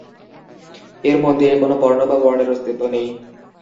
এর মন্দিরে কোন বর্ণ বা বর্ণের অস্তিত্ব নেই।